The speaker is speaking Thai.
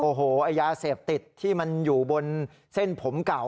โอ้โหไอ้ยาเสพติดที่มันอยู่บนเส้นผมเก่า